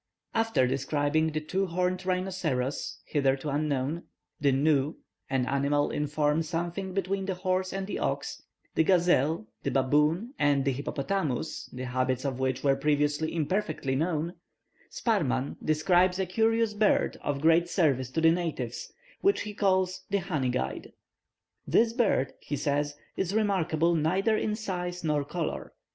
After describing the two horned rhinoceros, hitherto unknown, the gnu an animal in form something between the horse and the ox the gazelle, the baboon, and the hippopotamus, the habits of which were previously imperfectly known, Sparrman describes a curious bird, of great service to the natives, which he calls the honey guide. "This bird," he says, "is remarkable neither in size nor colour.